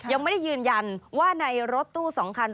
ยังไม่ได้ยืนยันว่าในรถตู้๒คัน